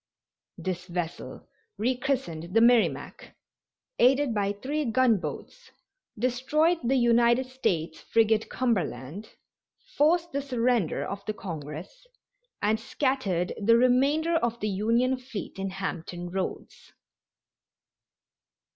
This vessel, rechristened the Merrimac, aided by three gun boats, destroyed the United States frigate Cumberland, forced the surrender of the Congress and scattered the remainder of the Union fleet in Hampton Roads.